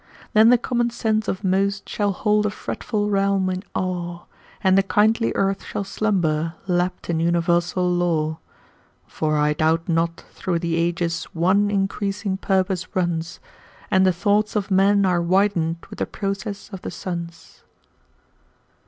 Then the common sense of most shall hold a fretful realm in awe, And the kindly earth shall slumber, lapt in universal law. For I doubt not through the ages one increasing purpose runs, And the thoughts of men are widened with the process of the suns.